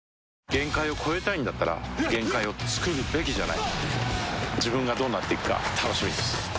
限界を越えたいんだったら限界をつくるべきじゃない自分がどうなっていくか楽しみです